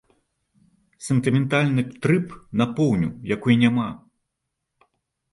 Сентыментальны трып на поўню, якой няма.